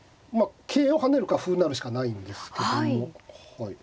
桂を跳ねるか歩成るしかないんですけども。